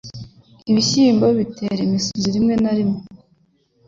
Ibishyimbo bitera imisuzi rimwe na rimwe